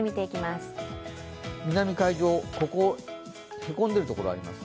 南海上、へこんでいるところがあります。